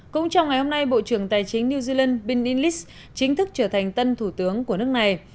cũng trong ngày hôm nay bộ trưởng tài chính new zealand billys chính thức trở thành tân thủ tướng của nước này